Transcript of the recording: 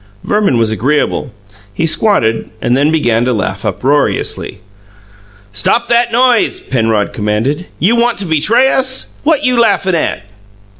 Verman was agreeable. He squatted, and then began to laugh uproariously. "Stop that noise!" Penrod commanded. "You want to betray us? What you laughin' at?"